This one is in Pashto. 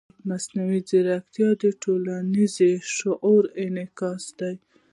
مصنوعي ځیرکتیا د ټولنیز شعور انعکاس دی.